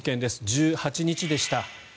１８日でした。